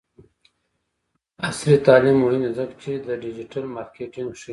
عصري تعلیم مهم دی ځکه چې د ډیجیټل مارکیټینګ ښيي.